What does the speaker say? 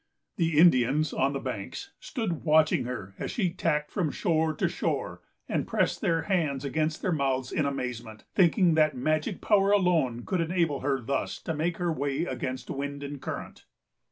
The Indians, on the banks, stood watching her as she tacked from shore to shore, and pressed their hands against their mouths in amazement, thinking that magic power alone could enable her thus to make her way against wind and current.